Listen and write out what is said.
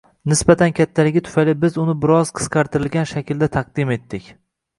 Nisbatan kattaligi tufayli biz uni biroz qisqartirilgan shaklda taqdim etdik